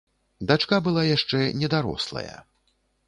Дачка была яшчэ недарослая.